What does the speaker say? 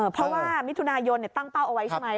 เพราะว่ามิถุนายนตั้งเป้าเอาไว้ใช่ไหม